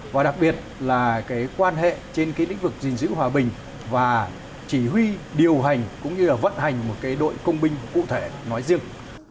và đặc biệt là quan hệ trên lĩnh vực gìn giữ hòa bình và chỉ huy điều hành cũng như là vận hành một đội công binh cụ thể nói riêng